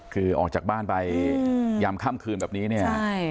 คือออกจากบ้านไปยามค่ำคืนแบบนี้เนี่ย